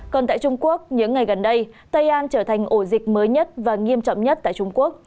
còn tại trung quốc những ngày gần đây tây an trở thành ổ dịch mới nhất và nghiêm trọng nhất tại trung quốc